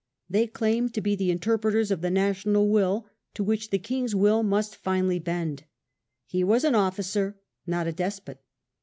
They claimed to be the interpreters of the national will, to which the king's will must finally bend. He was an officer, not a despot.